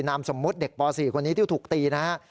นามสมมุติเด็กป๔คนนี้ที่ถูกตีนะฮะ